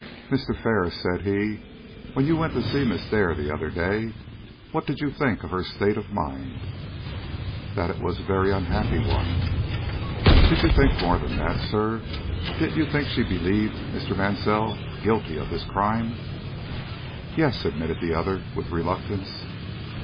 "Mr. Ferris," said he, "when you went to see Miss Dare the other day, what did you think of her state of mind?" "That it was a very unhappy one." "Didn't you think more than that, sir? Didn't you think she believed Mr. Mansell guilty of this crime?" "Yes," admitted the other, with reluctance.